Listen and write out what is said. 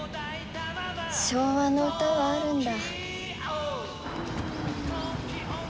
昭和の歌はあるんだ。